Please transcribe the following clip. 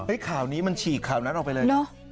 ข่าวนี้มันฉีกข่าวนั้นออกไปเลยเนอะ